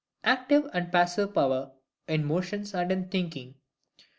Active and passive power, in motions and in thinking.